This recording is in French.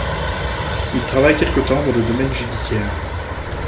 Il travaille quelque temps dans le domaine judiciaire.